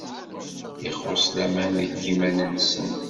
Ixuṣṣ laman deg yiman-nnes.